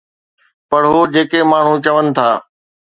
پڙهو جيڪي ماڻهو چون ٿا